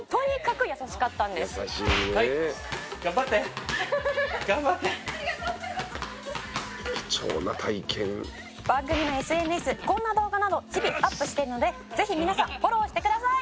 「優しいね」「貴重な体験」「番組のＳＮＳこんな動画など日々アップしてるのでぜひ皆さんフォローしてください！」